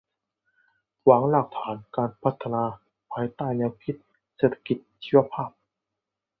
วางรากฐานการพัฒนาภายใต้แนวคิดเศรษฐกิจชีวภาพ